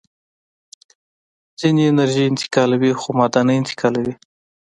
څپې انرژي انتقالوي خو ماده نه انتقالوي.